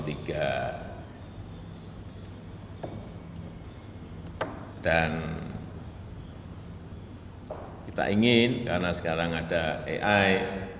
kita ingin karena sekarang ada ai